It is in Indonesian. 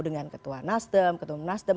dengan ketua nasdem ketua nasdem